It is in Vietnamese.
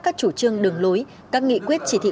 các chủ trương đường lối các nghị quyết chỉ thị